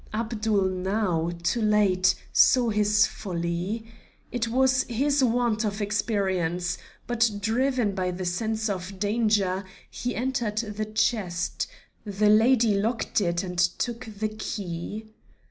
Abdul now, too late, saw his folly. It was his want of experience; but driven by the sense of danger, he entered the chest; the lady locked it and took the key.